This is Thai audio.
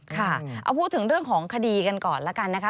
ค่ะเอาพูดถึงเรื่องของคดีกันก่อนแล้วกันนะคะ